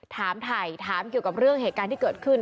ถามถ่ายถามเกี่ยวกับเรื่องเหตุการณ์ที่เกิดขึ้น